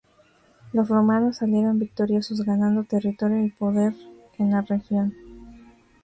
Los romanos salieron victoriosos, ganando territorio y poder en la región.